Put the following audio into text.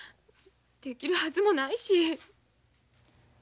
できるはずもないし。